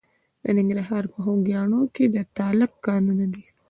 د ننګرهار په خوږیاڼیو کې د تالک کانونه دي.